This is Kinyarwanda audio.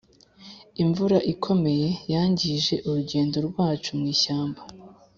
imvura ikomeye yangije urugendo rwacu mu ishyamba.